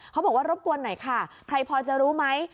เขาบอกว่ารบกวนหน่อยค่ะใครพอจะรู้ไหม